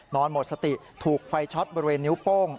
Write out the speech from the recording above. หมดสติถูกไฟช็อตบริเวณนิ้วโป้ง